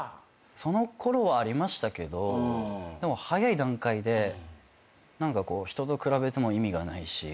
その頃はありましたけどでも早い段階で人と比べても意味がないしっていうふうに。